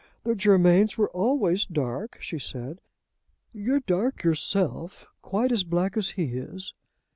"The Germains were always dark," she said. "You're dark yourself, quite as black as he is.